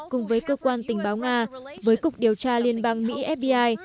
cùng với cơ quan tình báo nga với cục điều tra liên bang mỹ